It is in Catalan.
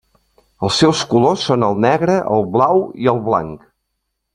Els seus colors són el negre, el blau i el blanc.